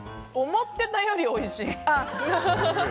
思ってたよりおいしい。